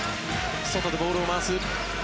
外でボールを回す。